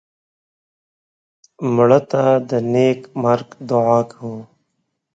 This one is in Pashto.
مړه ته د نیک مرګ دعا کوو